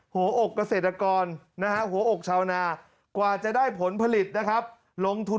หัวอกเกษตรกรนะฮะหัวอกชาวนากว่าจะได้ผลผลิตนะครับลงทุน